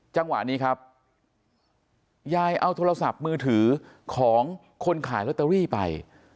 จังหวะนี้ครับยายเอาโทรศัพท์มือถือของคนขายลอตเตอรี่ไป